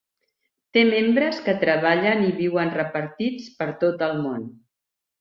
Te membres que treballen i viuen repartits per tot el món.